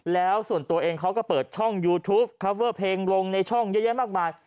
แล้วส่วนตัวเองเขาก็เปิดช่องยูทูปคอเวอร์เพลงลงในช่องเยอะแยะมากมาย